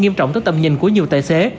nghiêm trọng tới tầm nhìn của nhiều tài xế